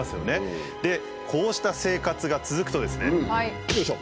でこうした生活が続くとですねよいしょ！